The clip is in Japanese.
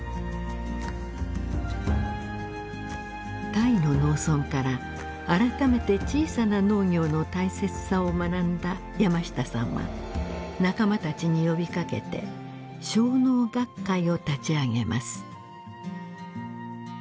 タイの農村から改めて小さな農業の大切さを学んだ山下さんは仲間たちに呼びかけて小農学会を立ち上げます。